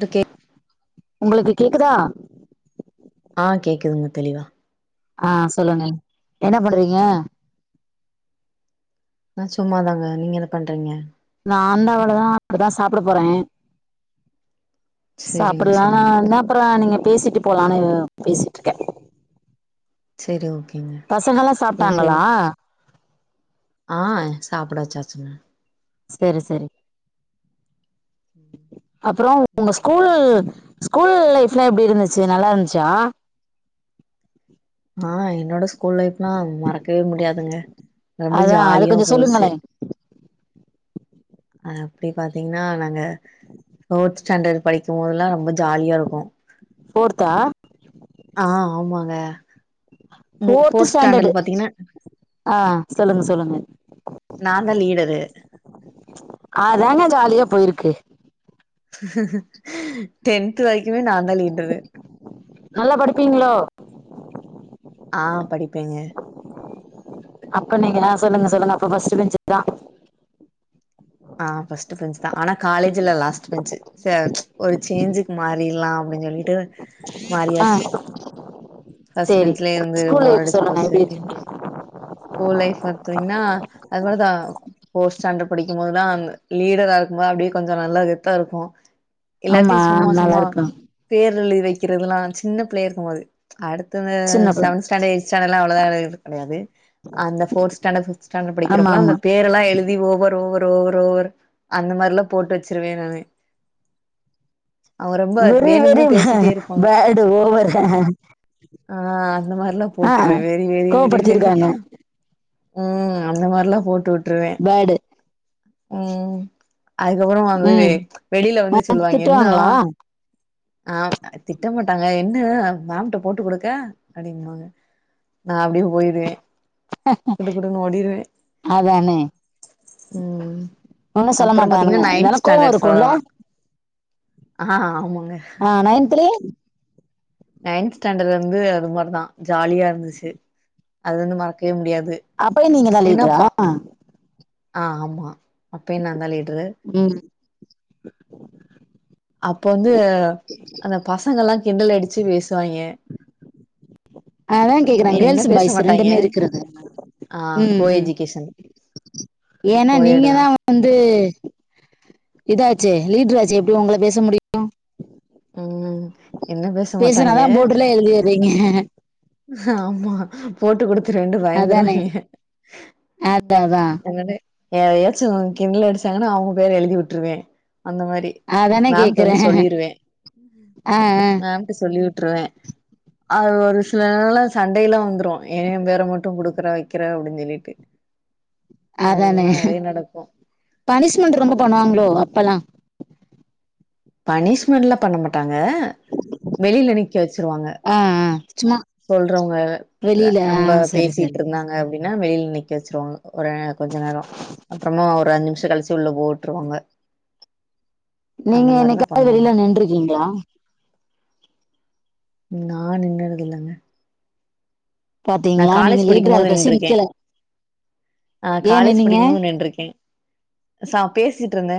துகே உங்ளுக்கு கேக்குதா ஆ கேக்குதுங்க தெளிவா ஆ சொல்லுங்க என்ன பண்றீங்க ஆ சும்மாதாங்க நீங்க என்ன பண்றீங்க நான் அந்த சாப்பட போறேன் செரிங்க சாப்பிடுலாம் செரிங்க என்ன அப்புறம் நீங்க பேசிட்டு போலான்னு பேசிட்டு இருக்கேன் சரி ஓகேங்க பசங்கல்லாம் செரி சொல்லு சாப்ட்டாங்களா ஆ சாப்பட வச்சாச்சுங்க சரி சரி ம் அப்புரோ உங்க செரிங்க. ஸ்கூல் நீங்க ஸ்கூல் லைஃப்லா எப்டி இருந்துச்சி நல்லா இருந்ச்சா ஆ என்னோட ஸ்கூல் லைஃப்லா மறக்கவே முடியாதுங்க ரொம்ப அதான் அது ஜாலியா கொஞ்சம் போஸ்சி சொல்லுங்களேன் அஅப்டி பாத்தீங்கனா நாங்க ஃ போத் ஸாண்டர்ட் படிக்குபோதெல்லா ரொம்ப ஜாலியா இருக்கு போர்த்தா ஆ ஆமாங்க மு ஃபோர்த்து ஃபோர்த் ஸ்டாண்டர்டு ஸ்டாண்டர்ட் பாத்தீங்கன்னா ஆ சொல்லுங்க சொல்லுங்க நான் தா லீடரு அதாங்க ஜாலியா போயிருக்கு டென்த் வரைக்குமே நான் தா லீடரு நல்லா படிப்பீங்களோ ஆ படிப்பேங்க அப்ப நீங்க சொல்லுங்க சொல்லுங்க அப்ப ஃபர்ஸ்ட் பெஞ்சு தா ஆ ஃபர்ஸ்ட் பெஞ்ச் தா ஆனா காலேஜ்ல லாஸ்ட் பெஞ்ச்சு செரி ஒரு சேஞ்சுக்கு மாறிட்லா அப்டின்னு சொல்லிட்டு ஆ மாறியாச்சு ஃபர்ஸ்ட் சேரி பெஞ்ச்லயே இருந்து ஸ்கூல் போர் லைஃப் அடிச்சு சொல்லுங்க போச்சு எப்டி அப்டின்னு இருந்துச்சு ஸ்கூல் லைஃப் பாத்திங்னா அது போ தா ஃபோர்த் ஸ்டாண்டர்ட் படிக்கும்போதுல லீடரா இருக்கும்போது அப்டியே கொஞ்சோ நல்லா கெத்தா இருக்கோ ஆமா எல்லாத்தையு சும்மா நல்லா சும்மா இருக்கு பேரழுதி வக்கறதுல்லா சின்ன பிள்ளைய இருக்கும் போது அடுத்தவ சின்ன புள்ள செவன்த் ஸ்டாண்ட்ர்ட் எயிட்த் ஸ்டாண்டர்ட்லா அவ்ளவா எழுதுறது கிடையாது அந்த ஃபோர்த் ஸ்டாண்டர்ட் ஃபிஃப்த் ஆமா படிக்கறப்பல்லா ஆமா அந்த பேர் ல்லா எழுதி ஓவர் ஓவர் ஓவர் ஓவர் அந்த மாரிலா போட்டு வெச்சிருவே நானு அவ ரொம்ப வெரி வெரி வேணும்னே பேசிட்டே இருப்பாங்க பேடு ஓவர் [unintelligible] ஆ அந்த மாரில்லா ஆ போட்ருவே வெரி வெரி வெரி வெரி கோவப்படுத்திருக்காங்க ம் அந்த மார்ல்லா போட்டு விட்ருவே பேடு ம் அதுக்கப்புற அவர் வந்து வெ ம் வெளில வந்து உனக்கு சொல்லுவாங்க என்னா திட்டுவாங்களா ஆ திட்ட மாட்டாங்க என்ன மேம்ட்ட போட்டு குடுக்க அப்டின்னுவாங்க நா அப்டியே போயிருவே குடு குடுன்னு ஓடிருவே அதானே ம் ஒன்னு சொல்ல அப்புற மாட்டானுங்க பாத்தீங்கன்னா இருந்தாலு நைன்த் கோவோ ஸ்டாண்டர்ட் இருக்குல்ல சொல்லலா ஆ ஆமாங்க ஆ நைன்த் லே நைன்த் ஸ்டாண்டட்ல இருந்து அது மாரிதா ஜாலியா இருந்துச்சு அது வந்து மறக்கவே முடியாது அப்பயோ நீங்க தா ஏன்னா லீட்ரா பா ஆ ஆமா அப்பயு நா தா லீட்ரு ம் அப்ப வந்து அந்த பசங்கல்லா கிண்டல் அடிச்சு பேசுவாங்க அதா கேக்குறே என்ன கேர்ள்ஸ் பேச பாய்ஸ் மாட்டாங்க ரெண்டுமே இருக்கிறது ஆ ம் கோ ம் எஜுகேஷன் ஏன்னா கோயெடு நீங்க தா தான். வந்து இதாச்சே லீட்ராச்சே எப்டி உங்கள பேச முடியு ம் என்ன பேச மாட்டாங்கே நீங்க ஆமா போட்டு குடுத்துருவேண்ட்டு பயந்துருவாங்க ஆ த அதா ன்ன யாராயாச்சு கிண்டல் அடிச்சாங்கன்னா அவங்க பேரு எழுதி விட்டுருவே அந்த மாரி அதானே மேம்ட கேக்குறே வந்து சொல்லிருவே ஆ ஆ மேம் சொல்லி விட்டுருவே அது ஒரு சில நாள்லா சண்டையில்லா வந்துரு ஏன் பேர மட்டு கொடுக்குற வைக்கிற அப்டின்னு சொல்லிட்டு அதானே அதெல்லா நெறைய நடக்கு. பனிஷ்மெண்ட் ரொம்ப பண்ணுவாங்களோ அப்பல்லா பனிஷ்மெண்ட்லா பண்ண மாட்டாங்க வெளில நிக்க வச்சிருவாங்க ஆ ஆ சும்மா சொல்றவங்க அ வெளியில ஆ ரொம்ப சரி சரி பேசிட்டிருந்தாங்க அப்படின்னா வெளில நிக்க வெச்சிருவாங்க ஒரு ஏ கொஞ்ச நேரோ அப்றமா ஒரு அஞ்சு நிமிஷ கழிச்சி உள்ள போட் ட்ருவாங்க நீங்க மாரிதா என்னிக்காவது பண்ணுவாங்க வெளில நின்றுக்கிங்ளா நா நின்னதில்லைங்க நா பாத்தீங்களா நீங்க காலேஜ் படிக்கும் லீடரா போது இருக்கச்சு நின்ருக்கே நிக்கல ஆ ஏன் காலேஜ் நின்னீங்க படிக்கும் போது நின்ருக்கே சா பேசிட்ருந்தே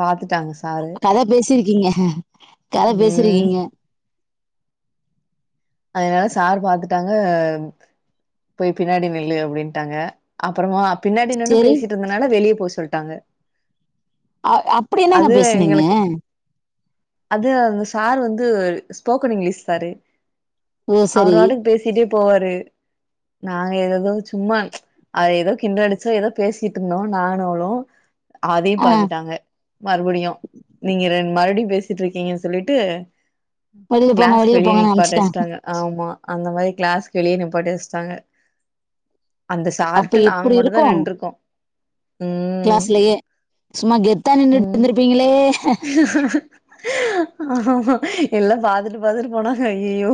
பாத்துட்டாங்க சாரு கத பேசிருக்கீங்க கத ம் பேசிருக்கீங்க அதனால சார் பாத்துட்டாங்க போய் பின்னாடி நில்லு அப்டின்ட்டாங்க அப்றமா பின்னாடி நின்னு சரி பேசிட்ருந்ததுனால வெளிய போ சொல்ட்டாங்க அ அப்படி என்னங்க அது பேசுனீங்க எங்களுக்கு அது அந்த சார் வந்து ஸ்போக்கன் இங்கிலீஷ் சாரு ஓ அவரு சரி பாட்டுக்கு பேசிட்டே போவாரு நாங்க ஏததோ சும்மா அத ஏதோ கிண்டலடிச்சோ ஏதோ பேசிட்ருந்தோம் நானும் அவளும் அதையும் ஆ பாத்துட்டாங்க மறுபடியும் நீங்க ரெண் மறுபடியும் பேசிட்ருக்கீங்கன்னு சொல்ட்டு வெளியில போங்க க்ளாஸ் வெளியில வெளிய போங்கன்னு நிப்பாட்டி அனுப்ச்சுட்டே வச்சிட்டாங்க ஆம்மா அந்த மாரி க்ளாஸ் வெளிய நிப்பாட்டி வச்சிட்டாங்க அந்த அப்ப சார்ட்ட நாங்க எப்படி மட்டும்தா நின்ட்ருக்கோம் க்ளாஸ்லயே சும்மா கெத்தா ம் நின்னுட்ருந்திருப்பீங்களே ஆமா எல்லா பாத்துட்டு பாத்துட்டு போனாங்க அய்யயோ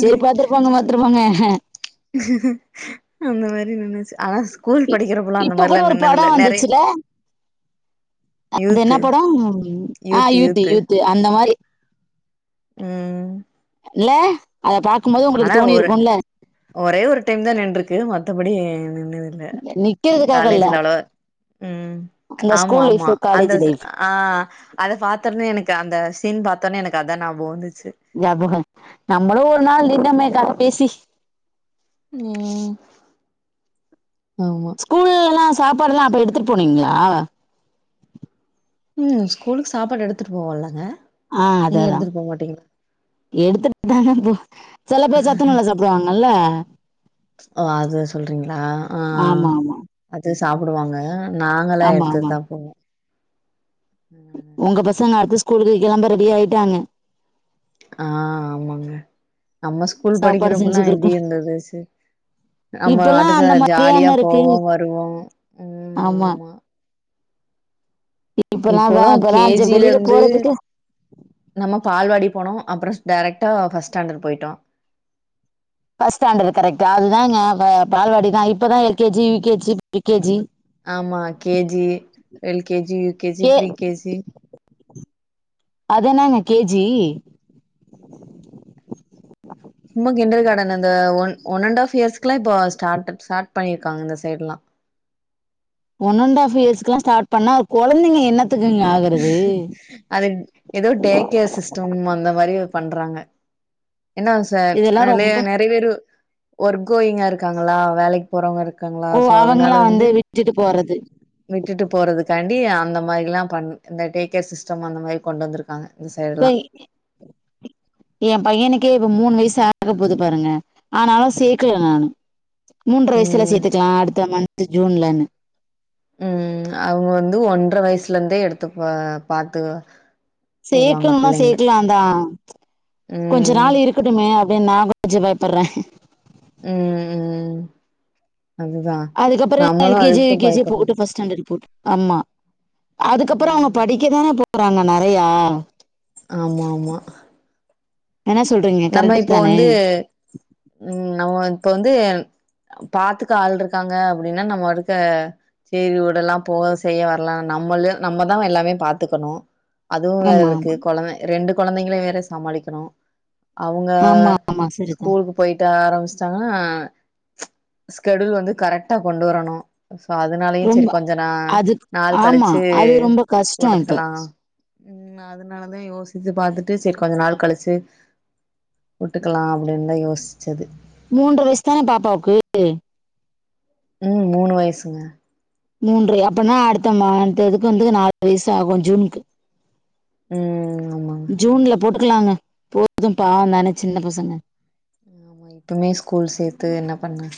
செரி பாத்துருப்பாங்க பாத்துருப்பாங்க அந்த மாரி நெனச்சு அதா இப்ப கூட ஒரு படம் வந்துச்சுல அது யூத்து என்ன படம் ஆ யூத்து யூத்து அந்த மாரி ம் இல்ல அத பாக்கும் போது உங்களுக்கு ஆனா ஒரு தோணிருக்கும்ல ஒரே ஒரு டைம்தா நின்ருக்கு மத்தபடி நின்னு நிக்கிறதுக்காக இல்ல காலேஜ்ல அவ்ளவா ம் அந்த ஸ்கூல் லைஃப் ஆம்மாம்மா அந்த காலேஜ் ச லைஃப் ஆ அத பாத்தவுன்னே எனக்கு அந்த சீன் பாத்தவுன்னே எனக்கு அதா நாபகம் வந்துச்சு ஞாபகம் நம்மளும் ஒரு நாள் இந்த மரிதா பேசி ம் ஆமா ஸ்கூலெல்லாம் சாப்பாடல்லாம் அப்போ எடுத்துட்டு போனீங்ளா ம் ஸ்கூலுக்கு சாப்பாடு எடுத்துட்டு போவம்லங்க ஆ அததா எடுத்துட்டுதான செல பேர் சத்துணவு சாப் துவாங்கல்ல ஓ அது சொல்றீங்ளா ஆமா ஆமா அது சாப்டுவாங்க நாங்களா ஆமா ஆமா எடுத்துதா போவோ உங்க பசங்க அடுத்து ஸ்கூலுக்கு கெளம்ப ரெடி ஆயிட்டாங்க ஆ ஆமாங்க நம்ம ஸ்கூல் சாப்பாடு படிக்கிறப்பல்லா செஞ்சுக்கிருக்கு எப்டி இருந்துது சி நம்ம இப்பல்லாம் ஆட்டுக்கு அந்த ஜாலியா மாதிரியாங்க இருக்கு போவோ வருவோ ஆமா இப்பெல்லாம் இப்போல்லா வே- கே இப்பெல்லாம் சரி ஜி ல வெளியில இருந்து போறதுக்கு நம்ம பால்வாடி போனோ அப்பறோ டேரக்டா ஃபர்ஸ்ட் ஸ்டாண்டட் போயிட்டோ ஃபஸ்ட்டு ஸ்டாண்டர்டு கரெக்டா அதுதாங்க பால்வாடிதா இப்பதா L K G, U K G, pre K G ஆமா K G L K G, U K G pre-KG அது என்னங்க கே ஜி சும்மா கிண்டர்காடன் அந்த ஒன் ஒன் அண்ட்டாஃப் இயர்ஸ்க்குலா இப்போ ஸ்டாட்டப் ஸ்டார்ட் பண்ணிருக்காங்க இந்த சைட்லா ஒன்அண்ட் ஹாஃப் இயர்ஸ்குலா ஸ்டாட் பண்ணா கெழந்தைங்க என்ன [unintelligible] அது ஏதோ டே கேர் சிஸ்டம் அந்த மாரி பண்றாங்க என்னா சார் இதெல்லாம் நெறய ரொம்ப நெறைய பேரு ஒர்க் கோயிங்கா இருக்காங்களா வேலைக்கு போறவங்க இருக்காங்களா ஓ சோ அதனால அவங்களாம் வந்து விட்டுட்டு போறது விட்டுட்டு போறதுக்காண்டி அந்த மாரில்லா பண் இந்த டேக்கே சிஸ்டம் அந்த மாரி கொண்டு வந்துருக்காங்க தை எ பையனுக்கே இப்ப மூணு வயசு ஆக போது பாருங்க ஆனாலு சே க்ல ம் நானு மூன்ற வயசுல ம் சேத்துக்கலா அடுத்த மந்த் ஜூன்லனு ம் அவ வந்து ஒன்ற வயசுல இருந்தே எடுத்துப்பா பாத்து வருவாங்க சேக்கனுமா பிள்ளைங்கள சேக்லா தா ம் கொஞ்ச நாள் இருக்கட்டுமே அப்டின்னு நா கொஞ்ச பயப்பட்ற ம்ம் அதுதா அதுக்கப்பறோ நம்மளு எல் கே ஜி யூ அதுக்குதா கே ஜி பயப்படுறது போட்டு் ஃபஸ்ட் ஸ்டாண்டர்ட் இப்போ ஆம்மா அதுக்கப்புறோ அவங்க ம் படிக்க தான போறாங்க நறையா ஆமா ஆமா என்ன சொல்றீங்க? நம்ம கரெக்ட்டு இப்போ தானே? வந்து ம் நம இப்போ வந்து பாத்துக்க ஆள் இருக்காங்க அப்டின்னா நம்ம இருக்க சரி உடல்லா போ செய்ய வர்லா நம்மளே நம்மதா எல்லாமே பாத்துக்கணு அதுவு வேற ஆமா, இருக்கு ஆமா. கொழந்த ரெண்டு கொழந்தைங்களையு வேற சமாளிக்கணு அவங்க ஆமா, ஆமா. சரிதான். ஸ்கூலுக் போய்ட்டு ஆரம்பிச்சிட்டாங்கன்னா ஸ்கெடியூல் வந்து கரெக்டா கொண்டு வரணு சோ அதனாலயு ரொம்ப சரி கொஞ்ச ந அது நாள் ஆமா. கழிச்சு அது ரொம்ப கஷ்டம் இப்ப. போட்ருக்கலா ம் அதனாலதா யோசித்து பாத்துட்டு சரி கொஞ்ச நாள் கழிச்சு உட்டுக்கலா அப்டின்னு தா யோசிச்சது மூன்ற வயசு தான பாப்பாக்கு ம் மூணு வயசுங்க மூன்றயா அப்பனா அடுத்த மந்துக்கு வந்து நாலு வயசு ஆகு ஜூன்க்கு ம் ம் ஆமா ஜூன்ல போட்டுக்கலாங்க போதும் பா தான சின்ன பசங்க நா இப்பமே ஸ்கூல் சேத்து என்ன பண்ண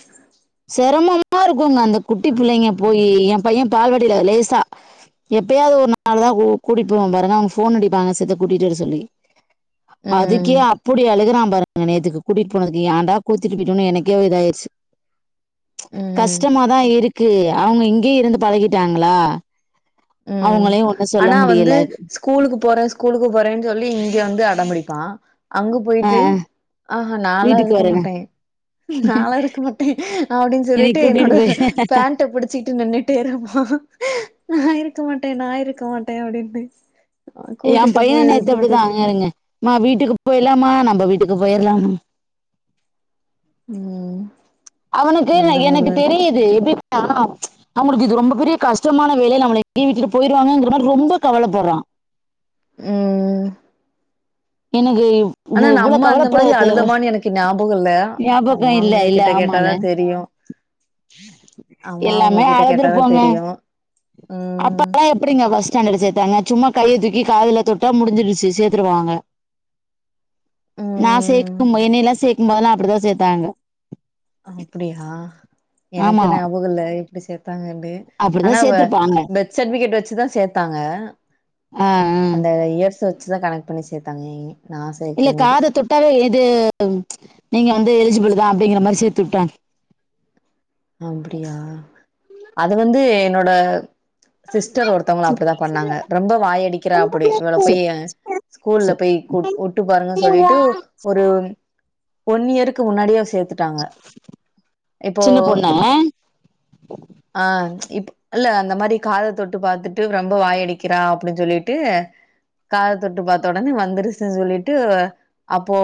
செரமமா இருக்குங்க அந்த குட்டி புள்ளைங்க போயி எ பைய பால்வடியில லேசா எப்பயாது ஒரு நாள் தா கூட்டிடுப்போவ பாருங்க அவுங்க ஃபோன் அடிப்பாங்க சித்த கூட்டிட்டு வர சொல்லி ம் அதுக்கியா புடி அழுகுறா பாருங்க நேத்துக்கு கூட்டிட் போனதுக்கு ஏண்டா கோச்சிட்டு போயிட்டோனு எனக்கே ஒ இதாயிருச்சி ம் கஷ்டமாதா இருக்கு அவங்க இங்கயே இருந்து பழகிட்டாங்களா அவங்களையு ஒண்ணு சொல்ல முடியல கூலுக்கு போறே ஸ்கூலுக்கு போறேன் சொல்லி இங்க வந்து அடம்பிடிப்பா அங்க போயிட்டு ஆஹா நாலா வீட்டுக்கு இருக்க வரேங்க மாட்டே நாலா இருக்க மாட்டே அப்டின் இன்னைக்கு சொல்லிட்டு கூட்டிட்டு என்னோட போய் பேண்ட புடிச்சிகிட்டு நின்னு டேராப்பா நா இருக்க மாட்டே நா இருக்க மாட்டே அப்டின்னு ஏ கூட்டிட்டு பையனெ போயிரு நேத்து அப்டிதா கூட்டிட்டு போயிரு இங்காருங்க மா வீட்டுக்கு போயிரலாமா நம்ப வீட்டுக்கு போயிரலாம் ம் அவனுக்கு ந அந்த எனக்கு மாரிதா இருக்கு தெரியுது எப்டி கேனோ அவங்களுக்கு இது ரொம்ப பெரிய கஷ்டமான வேலை நம்மள இங்கயே விட்டுட்டு போயிருவாங்கங்குற மாரி ரொம்ப கவலப்பட்றா உம் எனக்கு இவ் ஓ நா இவ்வளோ அம்மா அந்த கவலப்பட மாரி தேவ அழுதமான்னு எனக்கு ஞாபகம் இல்ல ஞாபகோ அம்மாங்க இல்லைல கிட்ட ஆமால கேட்டாதா தெரியு அம்மா அவங்க எல்லாமே கிட்ட கேட்டாதா அழுதுருப்போங்க தெரியு ம் அப்பல்லா எப் பிடிங்க பஸ்டாண்டடு சேத்தாங்க சும்மா கைய தூக்கி காதுல தொட்டா முடிஞ்சிருச்சி சேத்துருவாங்க நா ம் சேத்துக்கும்போ என்னையலா சேக்கும்போதெல்லா அப்டிதா சேத்தாங்க அப்டியா எனக்கு ஆமா ஞாபகல்ல எப்டி சேத்தாங்கன்னு அப்டிதா ஆனா வ அ சேத்துருப்பாங்க பெர்த் சட்விகேட் வச்சிதா சேத்தாங்க ஆ ஆ அந்த இயர்ஸ வச்சிதா கணக் பண்ணி சேத்தாங்கே இல்ல காத தொட்டாவே இது நீங்க வந்து எலிஜிபுளு தா அப்டிங்கிற மாரி சேர்த்து விட்டாங் அப்டியா அது வந்து என்னோட சிஸ்டர் ஒருத்தொவங்கள அப்டிதா பண்ணாங்க ரொம்ப வாயடிக்கிறா அப்பிடி இவள சே போயி ஸ்கூல்ல சே போய் கூட் ஒட்டு பாருங்க சொல்லிட்டு ஒரு ஒன் இயருக்கு முன்னாடியோ சேத்துட்டாங்க இப்போ சின்ன பொண்ணு ஆ இப் அல்ல அந்த மாரி காத தொட்டு பாத்துட்டு ரொம்ப வாயடிக்கிறா அப்டின் சொல்லிட்டு காதத் தொட்டு பாத்த ஒடனே வந்துருச்சுன் சொல்லிட்டு அப்போ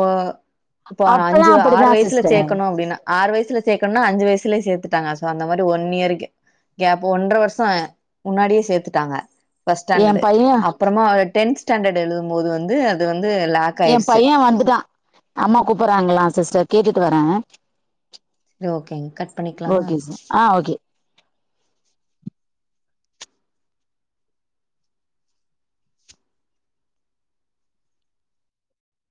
இப்போ அவன அப்பல்லா அஞ்சு ஆறு அப்டிதா வயசுல சிஸ்டர் சேக்கணு அப்டின்னா ஆறு வயசுல சேக்கனுனா அஞ்சு வயசுலயே சேத் துட்டாங்க சோ அந்த மாரி ஒன் இயருக்கு கேப் ஒன்ற வருஷோ முன்னாடியே சேத்துட்டாங்க பர்ஸ்ட் எ ஸ்டாண்டர்டு பைய அப்புறமா அ டென்த் ஸ்டாண்டர்ட் எழுதும்போது வந்து அது வந்து லாக் ஆயிருச்சி ஓ அப்டிதா அம்மா கூப்புர்றாங்களா சிஸ்டர் கேட்டுட்டு வரே ரி ஓகேங்க கட் பண்ணிக்லாமா ஓகே சார் ஆ ஓகே